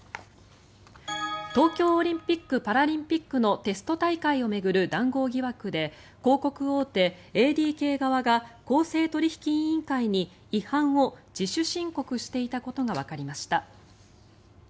東京オリンピック・パラリンピックのテスト大会を巡る談合疑惑で広告大手、ＡＤＫ側が公正取引委員会に違反を自主申告していたことがわかりました。